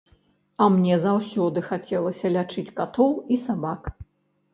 А мне заўсёды хацелася лячыць катоў і сабак.